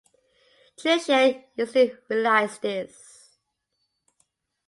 Tricia instantly realized this.